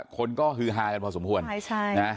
คนก็ฮือฮากันพอสมควร